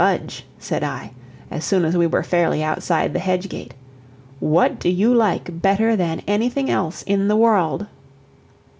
"Budge," said I, as soon as we were fairly outside the hedge gate, "what do you like better than anything else in the world?"